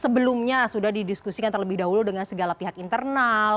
sebelumnya sudah didiskusikan terlebih dahulu dengan segala pihak internal